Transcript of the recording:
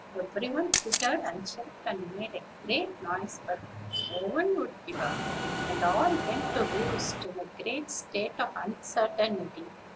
Every one twittered and chirped, and made a great noise; but no one would give up, and all went to roost in a great state of uncertainty.